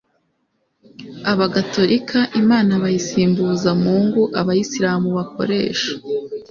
abagatolika, imana bayisimbuza mungu, abayisilamu bakoresha